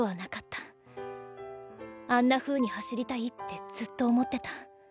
あんなふうに走りたいってずっと思ってた。